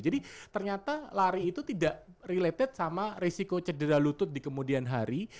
ternyata lari itu tidak related sama risiko cedera lutut di kemudian hari